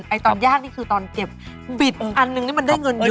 ตอนยากนี่คือตอนเก็บบิดอันนึงนี่มันได้เงินเยอะ